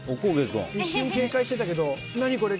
一瞬、警戒してたけど何これ？